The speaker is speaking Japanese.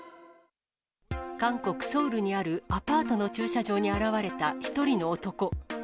韓国・ソウルにあるアパートの駐車場に現われた１人の男。